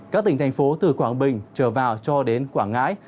các tỉnh thành phố từ quảng bình trở vào cho đến quảng ngãi